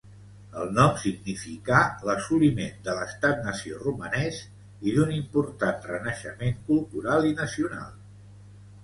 El nom significà l'assoliment de l'estat-nació romanès i d'un important renaixement cultural i nacional.